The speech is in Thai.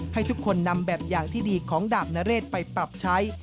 ให้ทุกคนนำแบบอย่างที่ดีของดาบนเรศไปปรับใช้